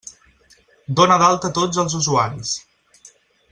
Dona d'alta tots els usuaris!